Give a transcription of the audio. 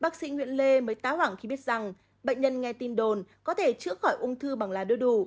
khi hỏi về tiền sử các bệnh nhân nghe tin đồn có thể chữa khỏi ung thư bằng lá đu đủ